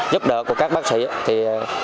giúp đỡ của các bác sĩ